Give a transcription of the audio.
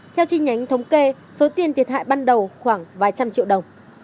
theo chi nhánh thống kê số tiền thiệt hại ban đầu khoảng vài trăm triệu đồng